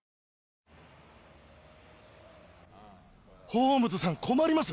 ホームズさん困ります。